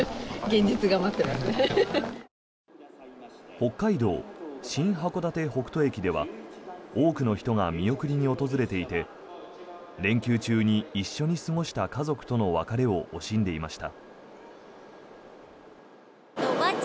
北海道新函館北斗駅では多くの人が見送りに訪れていて連休中に一緒に過ごした家族との別れを惜しんでいました。